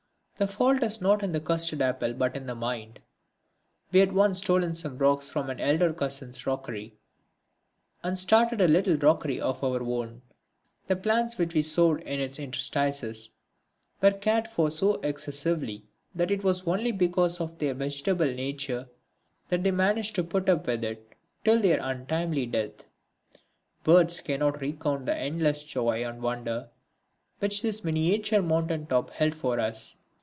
The fault is not in the custard apple but in the mind. We had once stolen some rocks from an elder cousin's rockery and started a little rockery of our own. The plants which we sowed in its interstices were cared for so excessively that it was only because of their vegetable nature that they managed to put up with it till their untimely death. Words cannot recount the endless joy and wonder which this miniature mountain top held for us.